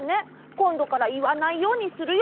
こんどからいわないようにするよ。